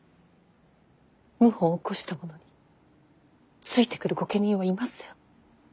謀反を起こした者についてくる御家人はいません。